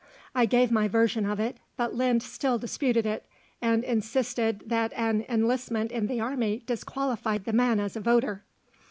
I gave my version of it, but Lynd still disputed it, and insisted that an enlistment in the army disqualified the man as a voter.